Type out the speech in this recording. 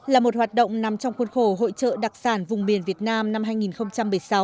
là một hoạt động nằm trong khuôn khổ hội trợ đặc sản vùng miền việt nam năm hai nghìn một mươi sáu